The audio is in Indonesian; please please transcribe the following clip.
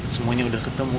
semuanya udah ketemu